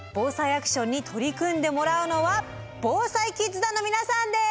アクションに取り組んでもらうのはＢＯＳＡＩキッズ団の皆さんです！